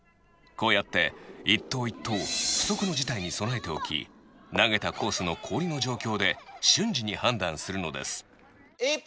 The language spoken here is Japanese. こうやって一投一投不測の事態に備えておき投げたコースの氷の状況で瞬時に判断するのです山口：